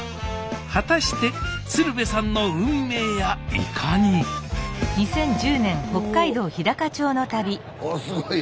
果たして鶴瓶さんの運命やいかにああすごいや。